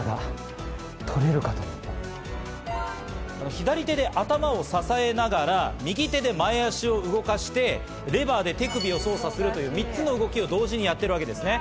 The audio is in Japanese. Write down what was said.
左手で頭を支えながら右手で前足を動かしてレバーで手首を操作するという３つの動きを同時にやっているわけですね。